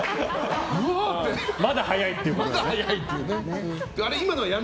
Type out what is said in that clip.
まだ早いっていうね。